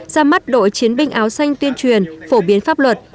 ra mắt đội chiến binh áo xanh tuyên truyền phổ biến pháp luật